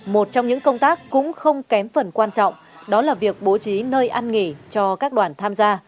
một trong những công tác cũng không kém phần quan trọng đó là việc bố trí nơi ăn nghỉ cho các đoàn tham gia